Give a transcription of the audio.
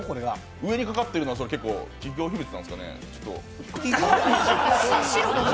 上にかかってるのがちょっと、企業秘密なんですかね。